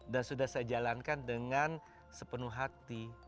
dan sudah saya jalankan dengan sepenuh hati